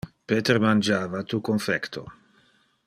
Peter mangiava tu confecto.